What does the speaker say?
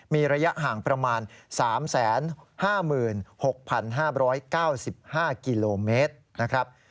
มีระยะห่างประมาณ๓๕๖๕๙๕กิโลเมตรนะครับ